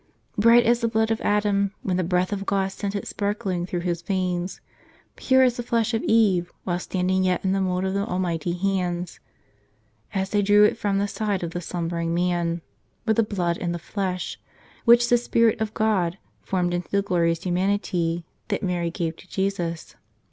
Bright as the blood of Adam, when the breath of God sent it sparkling through his veins, pure as the flesh of Eve, while standing yet in the mould of the Almighty hands, as they drew it from the side of the slumbering man, were the blood and the flesh, which the Spirit of God formed into the glorious humanity, that Mary gave to Jesus.